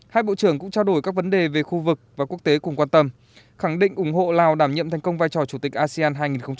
hai bộ trưởng cũng trao đổi các vấn đề về khu vực và quốc tế cùng quan tâm khẳng định ủng hộ lào đảm nhiệm thành công vai trò chủ tịch asean hai nghìn hai mươi